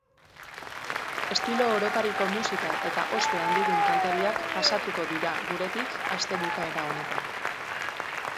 Estilo orotariko musika eta ospe handidun kantariak pasatuko dira guretik astebukaera honetan.